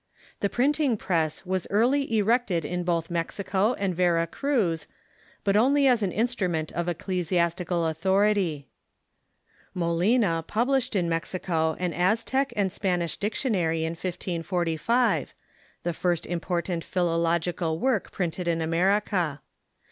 The print ing press was early erected in both Mexico and Vera Cruz, but only as an instrument of ecclesiastical authority Molina published in Mexico an Aztec and Spanish Dictiona ry in 1545 — the first important philological work printed in America.